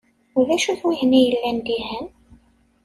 D acu-t wihin i yellan dihin?